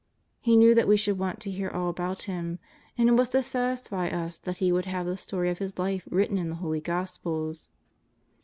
He knew that we should want to hear all about Him, and it was to satisfy us that He would have the story of His Life written in the holy Gospels.